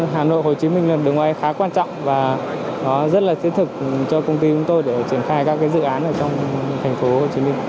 hà nội hồ chí minh là đường ngoài khá quan trọng và rất thiết thực cho công ty của tôi để triển khai các dự án trong thành phố hồ chí minh